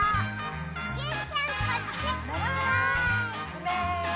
うめ？